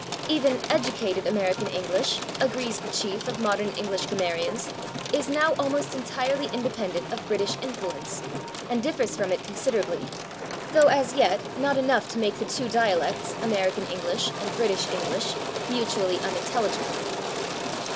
Even "educated American English," agrees the chief of modern English grammarians, "is now almost entirely independent of British influence, and differs from it considerably, though as yet not enough to make the two dialects American English and British English mutually unintelligible."